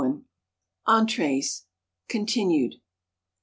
ENTRÉES. _Continued.